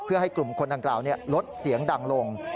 เพื่อให้กลุ่มคนดังกล่าวลดเสียงดังลง